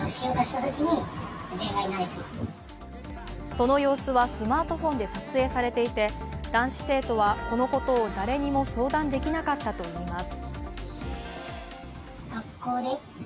その様子はスマートフォンで撮影されていて、男子生徒はこのことを誰にも相談できなかったといいます。